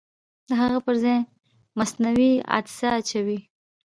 د هغه پرځای مصنوعي عدسیه اچوي.